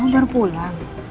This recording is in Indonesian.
kamu baru pulang